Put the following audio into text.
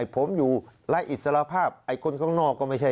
ผมอยู่รายอิสระภาพไอ้คนข้างนอกก็ไม่ใช่